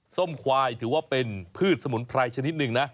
ส้มควายถือว่าเป็นพืชสมุนไพรชนิดหนึ่งนะ